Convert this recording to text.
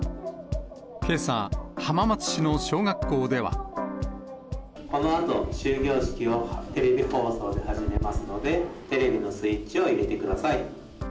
けさ、このあと、終業式をテレビ放送で始めますので、テレビのスイッチを入れてください。